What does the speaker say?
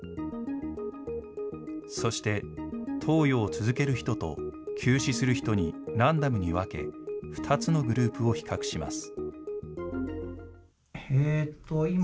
そして、投与を続ける人と休止する人にランダムに分け、２つのグループを比較します。